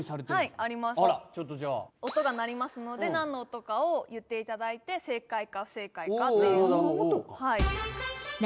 あらちょっとじゃあ音が鳴りますので何の音かを言っていただいて正解か不正解かっていうのを何の音か？